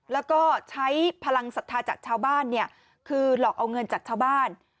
แล้วก็ใช้พลังศรัทธาจากชาวบ้านเนี่ยคือหลอกเอาเงินจากชาวบ้าน